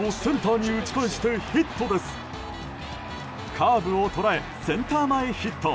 カーブを捉えセンター前ヒット。